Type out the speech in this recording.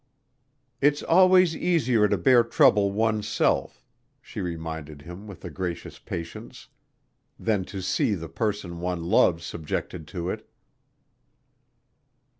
"It's always easier to bear trouble oneself," she reminded him with a gracious patience, "than to see the person one loves subjected to it."